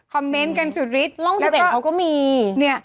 คอมเมนต์กันสุดฤทธิ์ร่องสุดฤทธิ์เขาก็มีเนี้ย